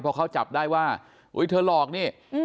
พอเขาจับได้ว่าอุ๊ยเธอหลอกนี่